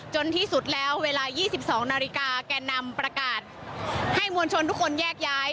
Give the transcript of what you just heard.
ที่สุดแล้วเวลา๒๒นาฬิกาแก่นำประกาศให้มวลชนทุกคนแยกย้าย